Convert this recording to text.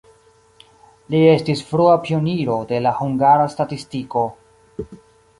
Li estis frua pioniro de la hungara statistiko.